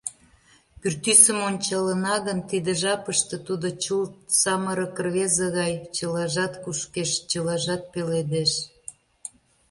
Пӱртӱсым ончалына гын, тиде жапыште тудо чылт самырык рвезе гай: чылажат кушкеш, чылажат пеледеш.